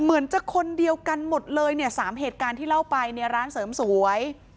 เหมือนจะคนเดียวกันหมดเลยเนี่ย๓เหตุการณ์ที่เล่าไปในร้านเสริมสวย